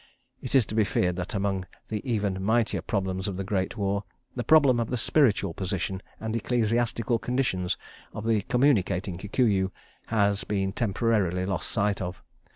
(It is to be feared that among the even mightier problems of the Great War, the problem of the spiritual position and ecclesiastical condition of the Communicating Kikuyu has been temporarily lost sight of.